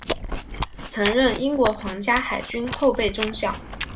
曾任英国皇家海军后备队中校。